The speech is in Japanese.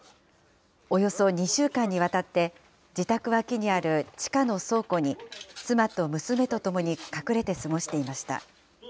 およそ２週間にわたって、自宅脇にある地下の倉庫に、妻と娘と共に隠れて過ごしていました。